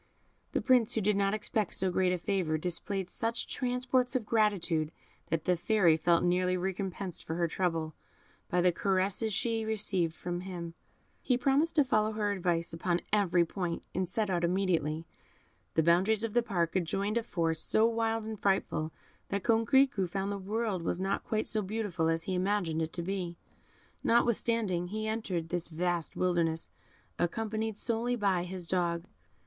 The Prince, who did not expect so great a favour, displayed such transports of gratitude that the Fairy felt nearly recompensed for her trouble by the caresses she received from him. He promised to follow her advice upon every point, and set out immediately. The boundaries of the park adjoined a forest so wild and frightful that Coquerico found the world was not quite so beautiful as he imagined it to be; notwithstanding, he entered this vast wilderness, accompanied solely by his dog.